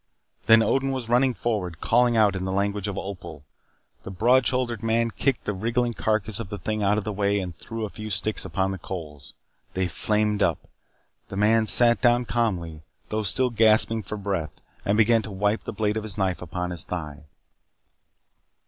Then Odin was running forward, calling out in the language of Opal. The broad shouldered man kicked the wriggling carcass of the thing out of the way and threw a few sticks upon the coals. They flamed up. The man sat down calmly, though still gasping for breath, and began to wipe the blade of his knife upon his thigh.